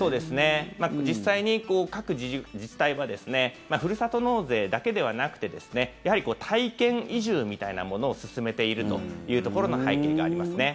実際に各自治体はふるさと納税だけではなくてやはり体験移住みたいなものを進めているというところの背景がありますね。